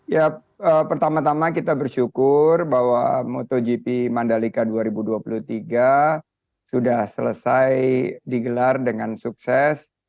ya pertama tama kita bersyukur bahwa motogp mandalika dua ribu dua puluh tiga sudah selesai digelar dengan sukses